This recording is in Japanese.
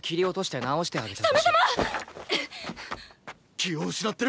気を失ってる！